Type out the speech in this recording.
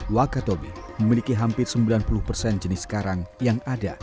wakatobi memiliki hampir sembilan puluh persen jenis karang yang ada